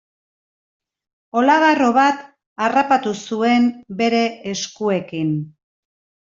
Olagarro bat harrapatu zuen bere eskuekin.